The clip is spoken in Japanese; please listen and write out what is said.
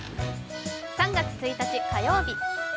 ３月１日火曜日